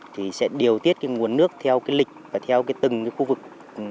thì sẽ điều tiết nguồn nước theo lịch và từng khu vực